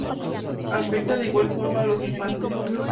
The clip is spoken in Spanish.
Afecta de igual forma a los infantes.